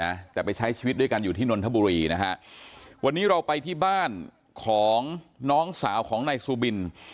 นะแต่ไปใช้ชีวิตด้วยกันอยู่ที่นนทบุรีนะฮะวันนี้เราไปที่บ้านของน้องสาวของนายซูบิน